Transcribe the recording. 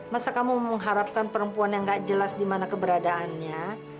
masa kamu mengharapkan perempuan yang gak jelas di mana keberadaannya